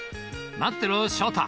待ってろ、昇太。